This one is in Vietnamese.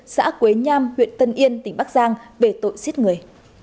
xã quế nham huyện tân yên tỉnh bắc giang về tội giết người